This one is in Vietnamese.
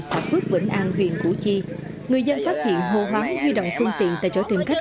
xã phước vĩnh an huyện củ chi người dân phát hiện hô hoáng huy động phương tiện tại chỗ tìm cách